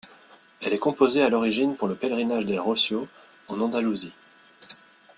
Elle est composée à l'origine pour le pèlerinage d'El Rocío, en Andalousie.